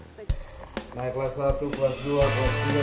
nah kelas satu kelas dua kelas tiga kelas empat kelas lima